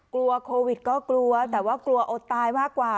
กลัวโควิดก็กลัวแต่ว่ากลัวอดตายมากกว่า